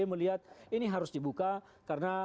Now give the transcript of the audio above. melihat ini harus dibuka karena